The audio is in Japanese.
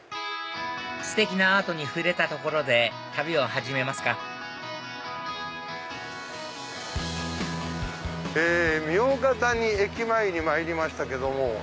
ステキなアートに触れたところで旅を始めますか茗荷谷駅前にまいりましたけども。